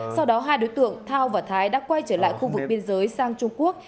sau đó hai đối tượng thao và thái đã quay trở lại khu vực biên giới sang trung quốc